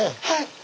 はい。